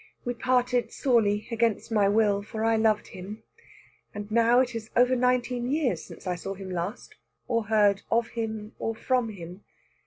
We parted sorely against my will, for I loved him, and now it is over nineteen years since I saw him last, or heard of him or from him.